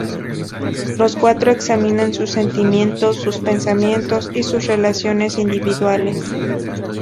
Los cuatro examinan sus sentimientos, sus pensamientos y sus relaciones individuales.